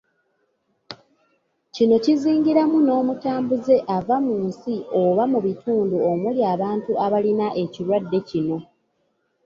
Kino kizingiramu n’omutambuze ava mu nsi oba mu bitundu omuli abantu abalina ekirwadde kino.